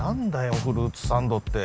フルーツサンドって。